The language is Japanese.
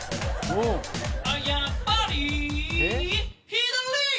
「あっやっぱり」「左！」